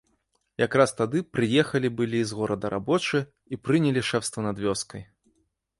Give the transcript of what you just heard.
Якраз тады прыехалі былі з горада рабочыя і прынялі шэфства над вёскай.